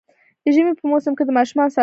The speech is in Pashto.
د ژمي په موسم کي د ماشومانو ساتنه وکړئ